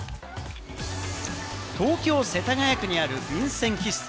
東京・世田谷区にある便箋喫茶。